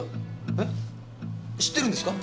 え知ってるんですか？